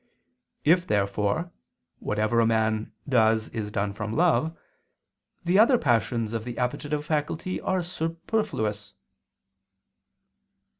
If, therefore, whatever a man does is done from love, the other passions of the appetitive faculty are superfluous.